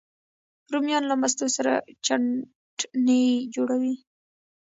رومیان له مستو سره چټني جوړوي